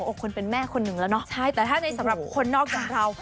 คนเป็นแม่คนหนึ่งแล้วเนาะใช่แต่ถ้าในสำหรับคนนอกอย่างเรา